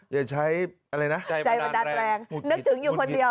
อย่าใช้อะไรนะใจบันดาลแรงนึกถึงอยู่คนเดียว